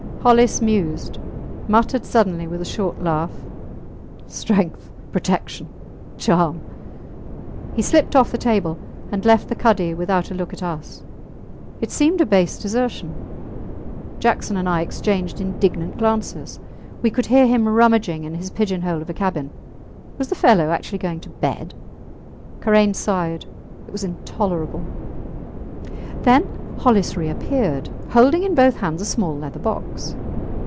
Hollis mused, muttered suddenly with a short laugh, Strength ... Protection ... Charm. He slipped off the table and left the cuddy without a look at us. It seemed a base desertion. Jackson and I exchanged indignant glances. We could hear him rummaging in his pigeon hole of a cabin. Was the fellow actually going to bed? Karain sighed. It was intolerable! Then Hollis reappeared, holding in both hands a small leather box.